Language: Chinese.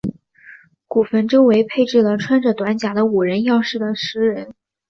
古坟周围配置了穿着短甲的武人样式的石人。